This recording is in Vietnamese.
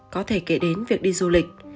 có thể kể đến việc đi du lịch